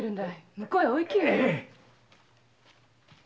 向こうへお行きよ。